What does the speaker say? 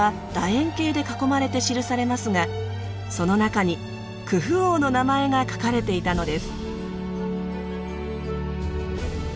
円形で囲まれて記されますがその中にクフ王の名前が書かれていたのです。